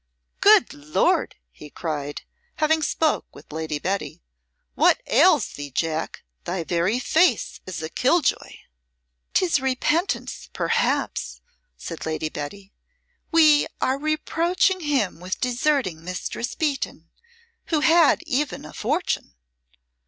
"Good Lord!" he cried, having spoke with Lady Betty; "what ails thee, Jack? Thy very face is a killjoy." "'Tis repentance, perhaps," said Lady Betty. "We are reproaching him with deserting Mistress Beaton who had even a fortune."